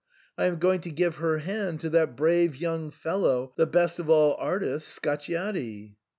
I am going to give her hand to that brave young fellow, the best of all artists, Scacciati."